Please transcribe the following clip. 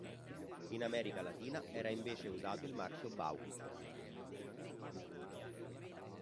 In America Latina era invece usato il marchio Bau.